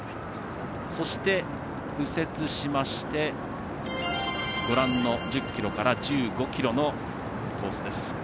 そして、右折しましてご覧の１０ｋｍから１５ｋｍのコースです。